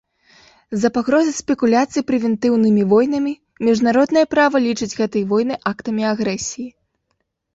З-за пагрозы спекуляцый прэвентыўнымі войнамі міжнароднае права лічыць гэтыя войны актамі агрэсіі.